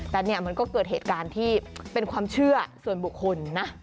แต่เนี่ยมันก็เกิดเหตุการณ์ที่เป็นความเชื่อส่วนบุคคลนะ